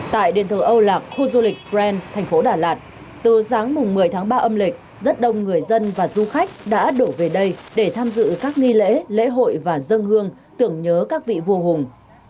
tại đền thờ âu lạc khu du lịch pren thành phố đà lạt từ sáng mùng một mươi tháng ba âm lịch rất đông người dân và du khách đã đổ về đây để tham dự các nghi lễ lễ hội và dân hương tưởng nhớ các vị vua hùng